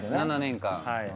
７年間。